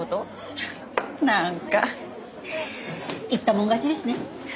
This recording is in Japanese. フフッなんか言ったもん勝ちですね。